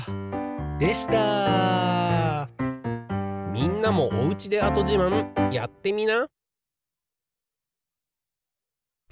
みんなもおうちで跡じまんやってみな。